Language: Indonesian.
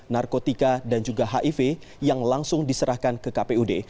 narkotika dan juga hiv yang langsung diserahkan ke kpud